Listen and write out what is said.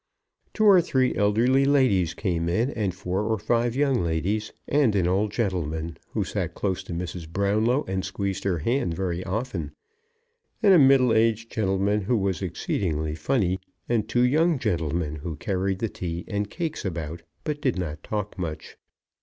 Two or three elderly ladies came in, and four or five young ladies, and an old gentleman who sat close to Mrs. Brownlow and squeezed her hand very often, and a middle aged gentleman who was exceedingly funny, and two young gentlemen who carried the tea and cakes about, but did not talk much.